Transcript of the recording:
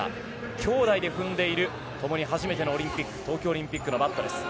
兄弟で踏んでいるともに初めての東京オリンピックのマットレス。